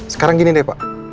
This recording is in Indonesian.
sekarang gini deh pak